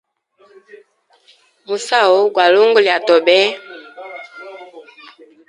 Musau gwa lungu lya tobe.